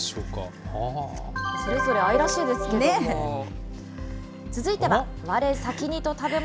それぞれ愛らしいですけれども。